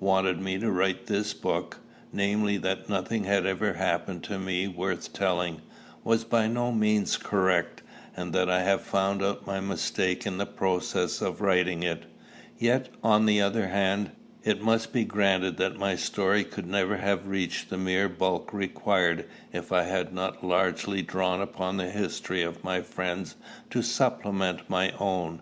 wanted me to write this book, namely, that nothing had ever happened to me worth telling, was by no means correct, and that I have found out my mistake in the process of writing it; yet, on the other hand, it must be granted that my story could never have reached the mere bulk required if I had not largely drawn upon the history of my friends to supplement my own.